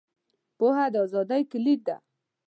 • پوهه، د ازادۍ کلید دی.